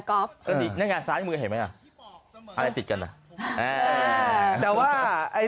ก็นี่นั่นไงซ้ายมือเห็นไหมอ่ะอะไรติดกันอ่ะอ่าแต่ว่าไอ้